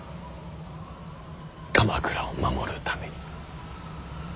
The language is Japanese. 鎌倉を守るために。